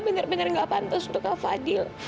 benar benar enggak pantas untuk kak fadhil